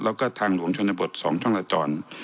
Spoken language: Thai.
แล้วก็ทางหลวงชนบท๒ช่องจราจร